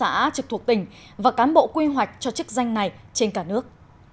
học viên đã tổ chức thuộc tỉnh và cán bộ quy hoạch cho chức danh này trên cả nước